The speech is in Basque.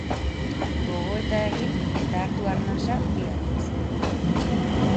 Gogoeta egin eta hartu arnasa bi aldiz.